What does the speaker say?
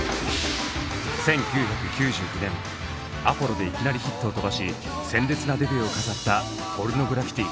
１９９９年「アポロ」でいきなりヒットを飛ばし鮮烈なデビューを飾ったポルノグラフィティ。